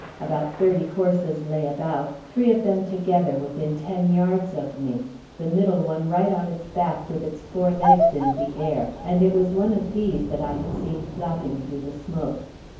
About thirty horses lay about, three of them together within ten yards of me, the middle one right on its back with its four legs in the air, and it was one of these that I had seen flapping through the smoke.